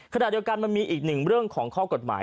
ขณะเดียวกันมันมีอีกหนึ่งเรื่องของข้อกฎหมาย